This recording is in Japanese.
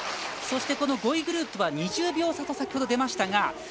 そして５位グループは２０秒差と出ていました。